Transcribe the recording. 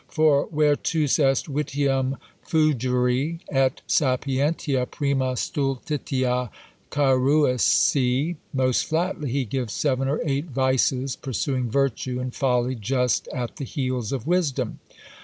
For "Virtus est vitium fugere, et sapientia prima stultitiâ caruisse," most flatly he gives seven or eight Vices pursuing Virtue, and Folly just at the heels of Wisdom.